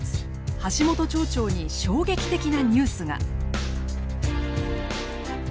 橋本町長に衝撃的なニュースが。